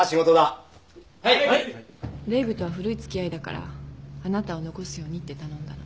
ＲＥＶＥとは古いつきあいだからあなたを残すようにって頼んだの。